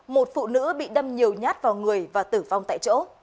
một phụ nữ bị đâm nhiều nhát vào người và tử vong tại chỗ